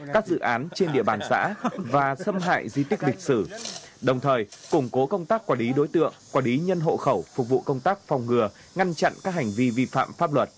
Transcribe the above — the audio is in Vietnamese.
các dự án trên địa bàn xã và xâm hại di tích lịch sử đồng thời củng cố công tác quản lý đối tượng quản lý nhân hộ khẩu phục vụ công tác phòng ngừa ngăn chặn các hành vi vi phạm pháp luật